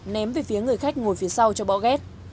ném về phía người khách ngồi phía sau cho bỏ ghét